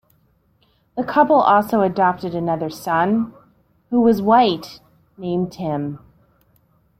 The couple also adopted another son, who was white, named Tim.